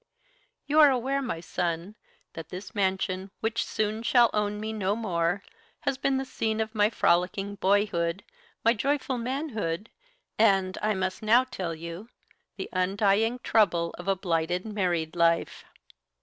"You are aware, my son, that this mansion which soon shall own me no more has been the scene of my frolicking boyhood, my joyful manhood, and, I must now tell you, the undying trouble of a blighted married life.